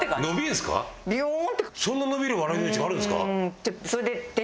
そんな伸びるわらび餅があるんですか？